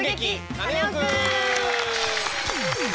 カネオくん」！